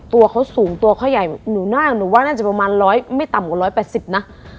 ตัวเขาสูงตัวเขาใหญ่หนูหน้าหนูว่าน่าจะประมาณร้อยไม่ต่ำกว่า๑๘๐นะ